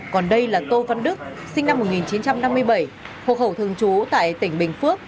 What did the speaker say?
còn đây là tô văn đức sinh năm một nghìn chín trăm năm mươi bảy hộ khẩu thường trú tại tỉnh bình phước